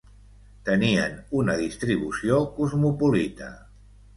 Tenien una distribució cosmopolita.